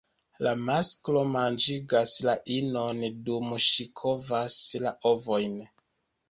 La masklo manĝigas la inon dum ŝi kovas la ovojn.